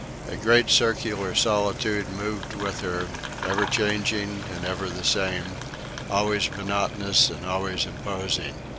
A great circular solitude moved with her, ever changing and ever the same, always monotonous and always imposing.